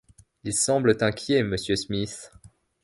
Ils semblent inquiets, monsieur Smith.